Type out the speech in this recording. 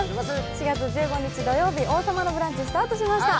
４月１５日土曜日、「王様のブランチ」スタートしました。